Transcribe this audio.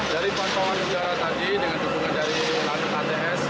dari pantauan udara tadi dengan dukungan dari ats